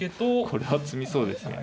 これは詰みそうですね。